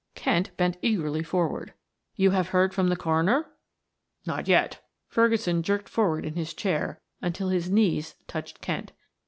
Kent bent eagerly forward "You have heard from the coroner " "Not yet," Ferguson jerked forward his chair until his knees touched Kent.